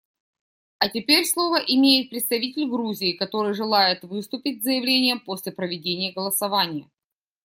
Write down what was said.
А теперь слово имеет представитель Грузии, который желает выступить с заявлением после проведения голосования.